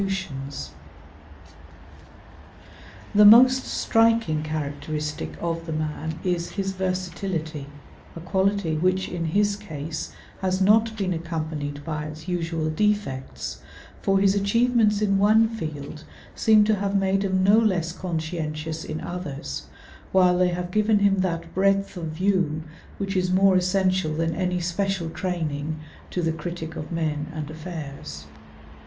[Illustration: JAMES BRYCE] The most striking characteristic of the man is his versatility; a quality which in his case has not been accompanied by its usual defects, for his achievements in one field seem to have made him no less conscientious in others, while they have given him that breadth of view which is more essential than any special training to the critic of men and affairs.